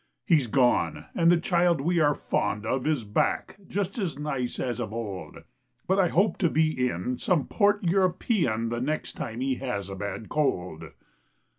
He's gone, and the child we are fond of Is back, just as nice as of old. But I hope to be in some port European The next time he has a bad cold.